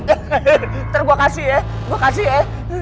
nanti gue kasih ya gue kasih ya